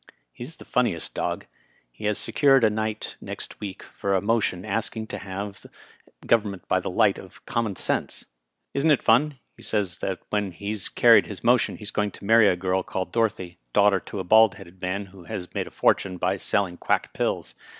He's the funniest dog. He has secured a night next week for a motion asking to have government by the light of com mon sense. Isn't it fun? He says that when he's car Digitized by VjOOQIC 168 RILET, M.P. ried liis motion he's going to many a girl called Doro thy, daughter to a bald headed man who has made a fort une by selling qnack pills.